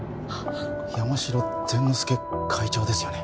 山城善之助会長ですよね